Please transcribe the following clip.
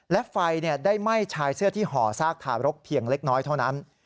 และไฟได้ไหม้ชายเสื้อที่ห่อซากทารกเพียงเล็กน้อยเท่านั้น